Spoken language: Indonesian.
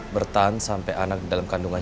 bertahan sampai anak dalam kandungan